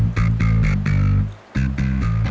terima kasih bos